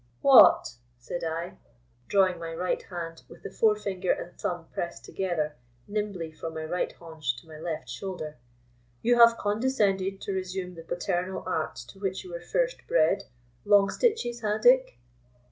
"What," said I, drawing my right hand, with the forefinger and thumb pressed together, nimbly from my right haunch to my left shoulder, "you have condescended to resume the paternal arts to which you were first bred—long stitches, ha, Dick?"